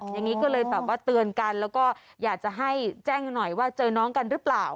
อย่างนี้ก็เลยแบบว่าเตือนกันแล้วก็อยากจะให้แจ้งหน่อยว่าเจอน้องกันหรือเปล่า